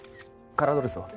カラードレスは？